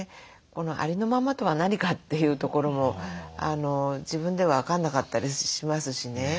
ありのままとは何か？というところも自分では分かんなかったりしますしね。